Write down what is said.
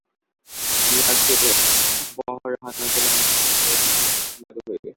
ইহাতে বরাহনগরের অনেকে মনে করে যে, গুরুভক্তির লাঘব হইবে।